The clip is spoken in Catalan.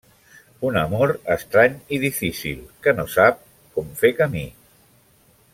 Un amor estrany i difícil que no sap com fer camí.